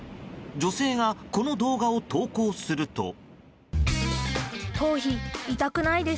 女性がこの動画を投稿すると。